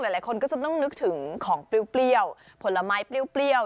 หลายคนก็จะต้องนึกถึงของเปรี้ยวผลไม้เปรี้ยว